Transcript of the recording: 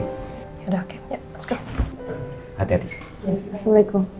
ya dah oke let's go